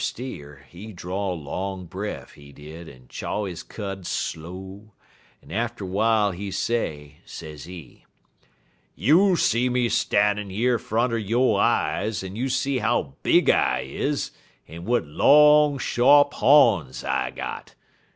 Steer, he draw long breff, he did, en chaw he cud slow, en atter w'ile he say, sezee: "'You see me stannin' yer front er yo' eyes, en you see how big I is, en w'at long, sharp hawns I got.